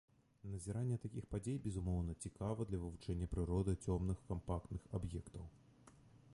Назіранне такіх падзей безумоўна цікава для вывучэння прыроды цёмных кампактных аб'ектаў.